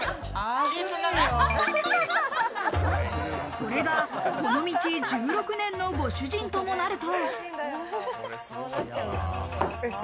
これがこの道１６年のご主人ともなると。